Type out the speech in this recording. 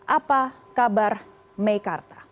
apa kabar mekarta